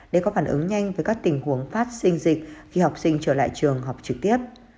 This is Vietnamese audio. để có phản ứng nhanh với các tình huống phát sinh dịch khi học sinh trở lại trường học trực tiếp